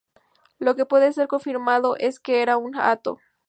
Lo que puede ser confirmado es que era un hato.